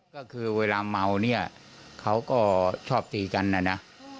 ก็คือเวลาเมาเนี่ยเขาก็ชอบตีกันนะนะ